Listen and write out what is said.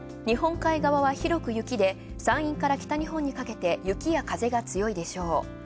日本海側は広く雪で、山陰から北日本にかけて雪や風が強いでしょう。